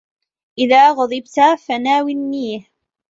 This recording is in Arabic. إذَا غَضِبْتُ فَنَاوِلْنِيهِ